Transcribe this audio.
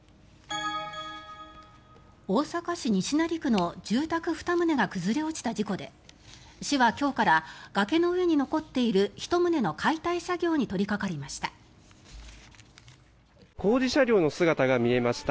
大阪市西成区の住宅２棟が崩れ落ちた事故で市は今日から崖の上に残っている１棟の解体作業に取りかかりました。